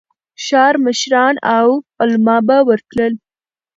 ښار مشران او علماء به ورتلل.